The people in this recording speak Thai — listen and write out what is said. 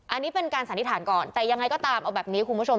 อันนี้เป็นการสันนิษฐานก่อนแต่ยังไงก็ตามเอาแบบนี้คุณผู้ชม